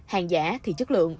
hàng giả thì chất lượng